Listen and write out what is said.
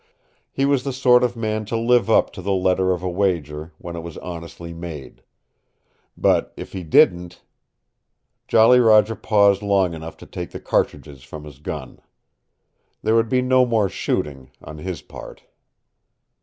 He was the sort of man to live up to the letter of a wager, when it was honestly made. But, if he didn't Jolly Roger paused long enough to take the cartridges from his gun. There would be no more shooting' on his part.